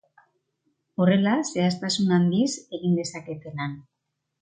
Horrela zehaztasun handiz egin dezakete lan.